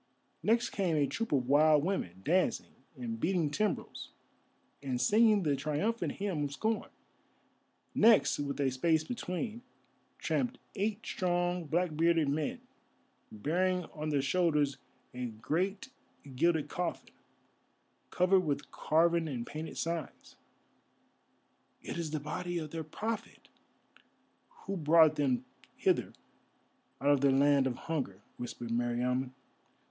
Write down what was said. Next came a troop of wild women, dancing, and beating timbrels, and singing the triumphant hymn of scorn. Next, with a space between, tramped eight strong black bearded men, bearing on their shoulders a great gilded coffin, covered with carven and painted signs. "It is the body of their Prophet, who brought them hither out of their land of hunger," whispered Meriamun.